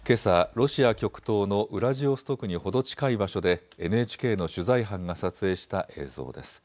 ロシア極東のウラジオストクに程近い場所でＮＨＫの取材班が撮影した映像です。